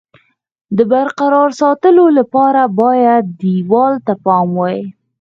د برقرار ساتلو لپاره باید دېوال ته پام وای.